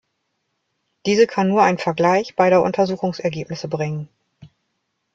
Diese kann nur ein Vergleich beider Untersuchungsergebnisse bringen.